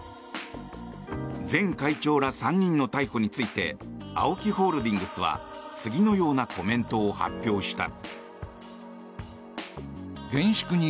前会長ら３人の逮捕についてＡＯＫＩホールディングスは次のようなコメントを発表した。